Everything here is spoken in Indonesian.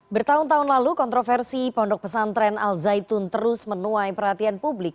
bertahun tahun lalu kontroversi pondok pesantren al zaitun terus menuai perhatian publik